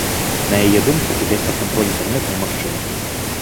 На яе думку, узяць пад кантроль інтэрнэт немагчыма.